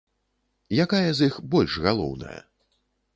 Якая з іх больш галоўная?